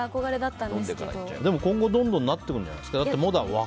でも今後、どんどんそうなるんじゃないですか？